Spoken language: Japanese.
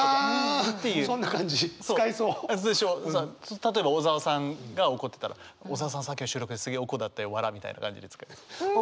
例えば小沢さんが怒ってたら「小沢さんさっきの収録ですげえおこだったよわら」みたいな感じで使います。